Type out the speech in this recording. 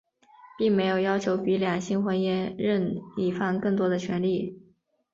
并没有要求比两性婚姻任一方更多的权利。